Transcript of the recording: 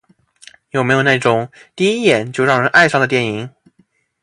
有没有那种第一眼就让人爱上的电影？